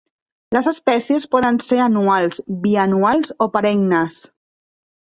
Les espècies poden ser anuals, bianuals o perennes.